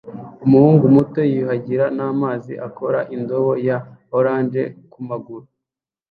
Umuhungu muto yiyuhagira n'amazi akora indobo ya orange kumaguru